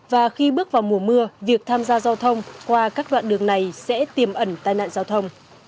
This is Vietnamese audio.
và khi bước vào mùa mưa việc tham gia giao thông qua các đoạn đường này sẽ tiềm ẩn tai nạn giao thông